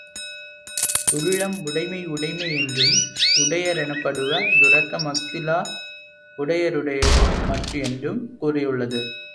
உள்ளம் உடைமை உடைமை என்றும் உடைய ரெனப்படுவ துரக்க மஃதிலார் உடைய ருடையரோ மற்று என்றும் கூறியுள்ளது.